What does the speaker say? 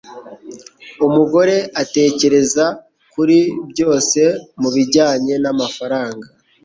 Umugore atekereza kuri byose mubijyanye namafaranga.